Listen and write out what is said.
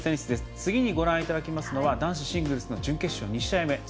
次にご覧いただきますのは男子シングルスの準決勝、２試合目。